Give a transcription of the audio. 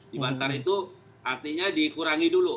dibantar itu artinya dikurangi dulu